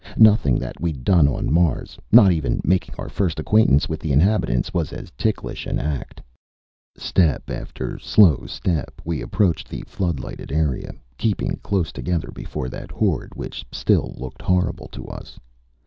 Nothing that we'd done on Mars not even making our first acquaintance with the inhabitants was as ticklish an act. Step after slow step, we approached the floodlighted area, keeping close together before that horde which still looked horrible to us.